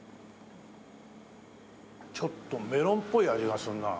ちょっとメロンっぽい味がするな。